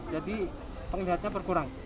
jadi penglihatannya berkurang